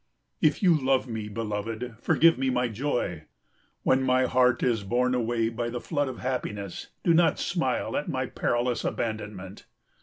If you love me, beloved, forgive me my joy. When my heart is borne away by the flood of happiness, do not smile at my perilous abandonment.